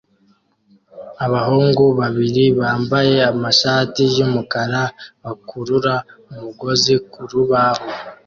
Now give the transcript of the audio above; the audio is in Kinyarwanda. Abahungu babiri bambaye amashati yumukara bakurura umugozi kurubaho